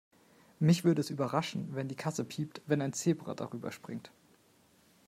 Mich würde es überraschen, wenn die Kasse piept, wenn ein Zebra darüberspringt.